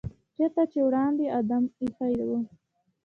چېرته چې وړاندې آدم ایښی و.